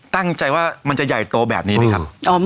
ตั้งใจว่ามันจะใหญ่โตแบบนี้ไหมครับ